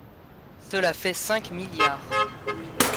Cela fait cinq milliards